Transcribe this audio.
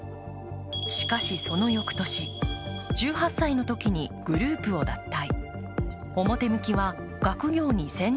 しかし、その翌年、１８歳のときにグループを脱退。